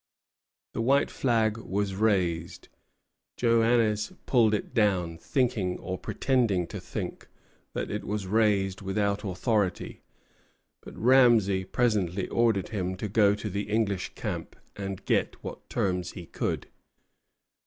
The white flag was raised; Joannès pulled it down, thinking, or pretending to think, that it was raised without authority; but Ramesay presently ordered him to go to the English camp and get what terms he could.